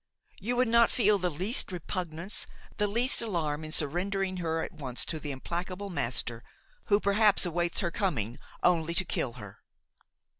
You would not feel the least repugnance, the least alarm in surrendering her at once to the implacable master, who perhaps awaits her coming only to kill her!"